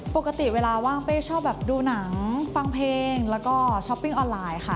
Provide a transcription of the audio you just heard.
ปกติเวลาว่างเป้ชอบแบบดูหนังฟังเพลงแล้วก็ช้อปปิ้งออนไลน์ค่ะ